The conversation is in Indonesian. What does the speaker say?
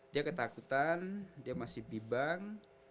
dia ketakutan dia masih bibang